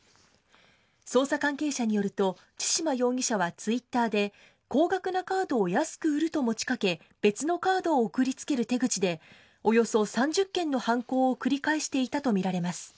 捜査関係者によると、千島容疑者はツイッターで、高額なカードを安く売ると持ちかけ、別のカードを送りつける手口で、およそ３０件の犯行を繰り返していたと見られます。